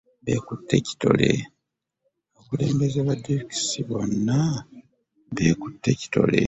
Abakulembeze ba disitulikiti bonna beekutte kitole.